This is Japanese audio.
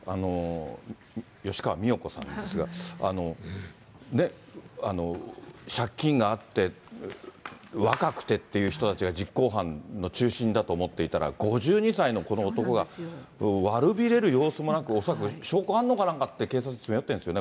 だから、借金があって、若くてっていう人たちが実行犯の中心だと思っていたら、５２歳のこの男が、悪びれる様子もなく、恐らく証拠あんのか？なんて、警察に詰め寄ってるんですよね。